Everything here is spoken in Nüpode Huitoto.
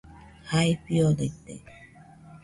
Jae fiodaite